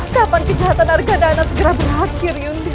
kapan kejahatan arga dana segera berakhir yunde